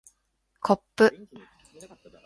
こっぷ